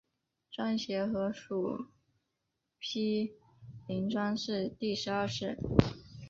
庄学和属毗陵庄氏第十二世。